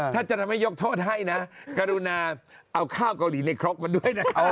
ถ้าจะทำให้ยกโทษให้นะกรุณาเอาข้าวเกาหลีในครกมาด้วยนะ